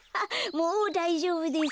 もうだいじょうぶです。